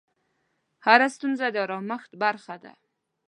هره ستونزه د ازمېښت برخه ده.